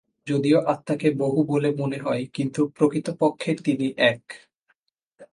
যদিও আত্মাকে বহু বলে মনে হয়, কিন্তু প্রকৃতপক্ষে তিনি এক।